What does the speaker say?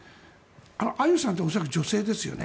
あゆさんって恐らく女性ですよね？